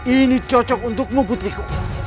ini cocok untukmu butikku